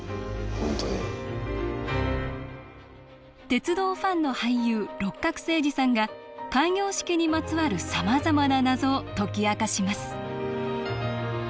鉄道ファンの俳優六角精児さんが開業式にまつわるさまざまな謎を解き明かします